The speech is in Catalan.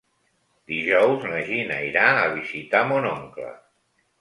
Dijous na Gina irà a visitar mon oncle.